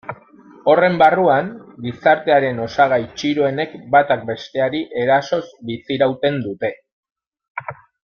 Horren barruan, gizartearen osagai txiroenek batak besteari erasoz bizirauten dute.